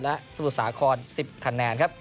และสมุทรสาคร๑๐คะแนนครับ